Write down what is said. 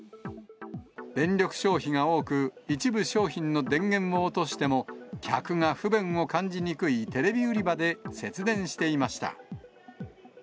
電力消費が多く、一部商品の電源を落としても、客が不便を感じにくいテレビ売り場で、節電していました。